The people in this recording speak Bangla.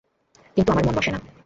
কিন্তু আমার মন বসে না।